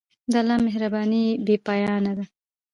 د الله مهرباني بېپایه ده.